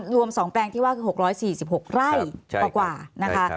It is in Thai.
รวม๒แปลงที่ว่าคือ๖๔๖ไร่กว่านะคะ